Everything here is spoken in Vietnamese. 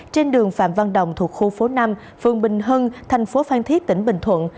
trên đường phạm văn đồng thuộc khu phố năm phường bình hưng tp phan thiết tỉnh bình thuận